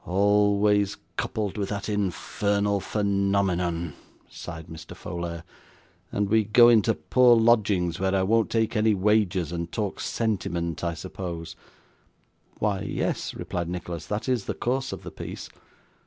'Always coupled with that infernal phenomenon,' sighed Mr. Folair; 'and we go into poor lodgings, where I won't take any wages, and talk sentiment, I suppose?' 'Why yes,' replied Nicholas: 'that is the course of the piece.